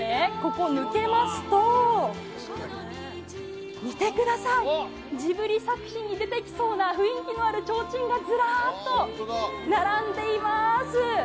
ここ、抜けますと、見てください、ジブリ作品に出てきそうな雰囲気のあるちょうちんがずらっと並んでいます。